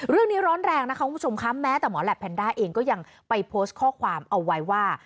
ร้อนแรงนะคะคุณผู้ชมคะแม้แต่หมอแหลปแนนด้าเองก็ยังไปโพสต์ข้อความเอาไว้ว่า